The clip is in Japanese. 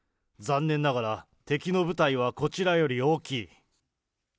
残念ながら、敵の部隊はこちらより大きい。